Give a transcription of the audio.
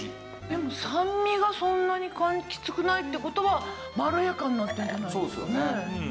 でも酸味がそんなにきつくないって事はまろやかになってるんじゃないですかね？